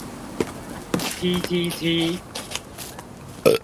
批踢踢